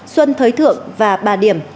xuân thới thượng và ba điểm